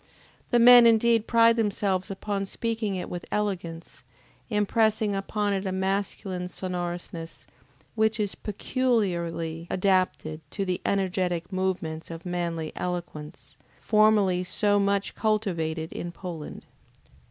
The men indeed pride themselves upon speaking it with elegance, impressing upon it a masculine sonorousness, which is peculiarly adapted to the energetic movements of manly eloquence, formerly so much cultivated in Poland.